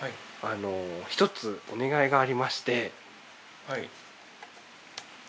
１つお願いがありまして。